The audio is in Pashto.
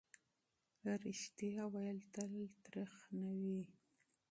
حقیقت تل تریخ نه وي.